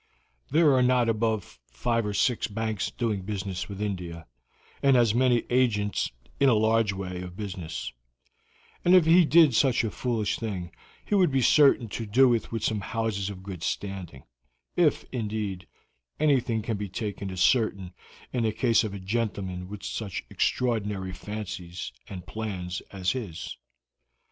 There are not above five or six banks doing business with India, and as many agents in a large way of business; and if he did such a foolish thing, he would be certain to do it with some houses of good standing if, indeed, anything can be taken as certain in the case of a gentleman with such extraordinary fancies and plans as his."